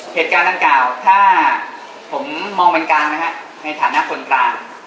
เหตุการณ์เก่าถ้าผมมองกันกลางนะครับในฐานะคนกลาง